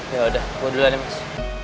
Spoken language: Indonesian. yaudah gue dulu aja mas